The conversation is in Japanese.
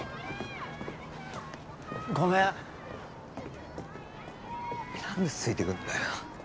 ごめん何でついてくんだよ